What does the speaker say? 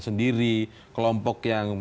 sendiri kelompok yang